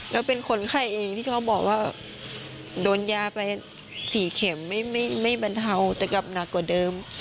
แล้วเป็นคนไข้เองที่เขาบอกว่าโดนยาไป๔เข็มไม่บรรเทาแต่กลับหนักกว่าเดิม